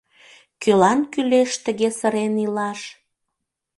Кöлан кÿлеш тыге сырен илаш?